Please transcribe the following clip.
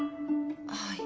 はい。